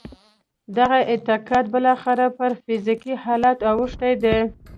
دغه اعتقاد بالاخره پر فزیکي حالت اوښتی دی